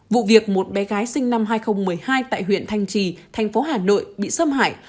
vụ việc một bé gái sinh năm hai nghìn một mươi hai tại huyện thanh trì thành phố hà nội bị xâm hại